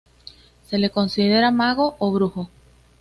Se le considera mago o brujo.